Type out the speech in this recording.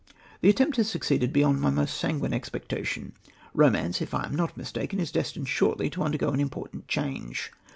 The attempt has succeeded beyond my most sanguine expectation. Romance, if I am not mistaken, is destined shortly to undergo an important change.